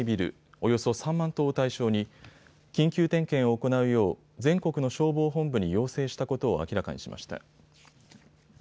およそ３万棟を対象に緊急点検を行うよう全国の消防本部に要請したことを明らかにしました。